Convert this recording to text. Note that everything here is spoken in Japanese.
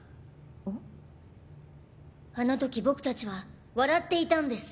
あの時僕たちは笑っていたんです。